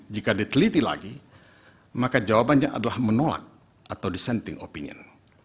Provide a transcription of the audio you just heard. jika diteliti lagi maka jawabannya adalah menolak atau dissenting opinion